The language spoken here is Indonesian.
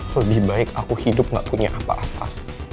lebih baik aku hidup gak punya apa apa